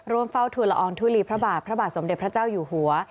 เฝ้าทุลอองทุลีพระบาทพระบาทสมเด็จพระเจ้าอยู่หัว